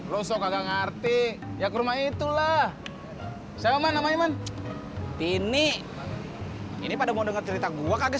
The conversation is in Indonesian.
lu sok nggak ngerti ya ke rumah itulah selman aman ini ini pada mau denger cerita gua kaget